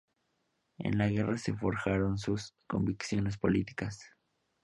En la guerra se forjaron sus convicciones políticas.